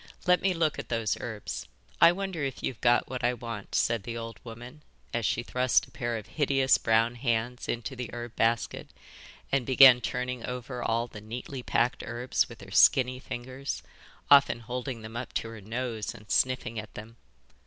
Let me look at those herbs. I wonder if you've got what I want,' said the old woman as she thrust a pair of hideous brown hands into the herb basket, and began turning over all the neatly packed herbs with her skinny fingers, often holding them up to her nose and sniffing at them.